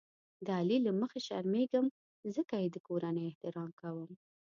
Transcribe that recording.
د علي له مخې شرمېږم ځکه یې د کورنۍ احترام کوم.